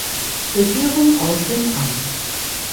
Regierung aus dem Amt.